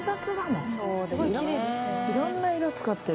いろんな色使ってる。